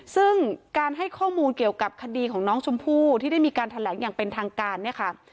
ซึ่งการให้ข้อมูลเกี่ยวกับคดีของน้องชมพู่ที่ได้มีการแถลงอย่างเป็นทางการเนี่ยค่ะ